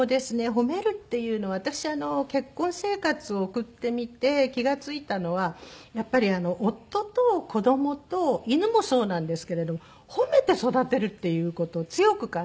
褒めるっていうのは私結婚生活を送ってみて気が付いたのはやっぱり夫と子どもと犬もそうなんですけれども褒めて育てるっていう事を強く感じましたね。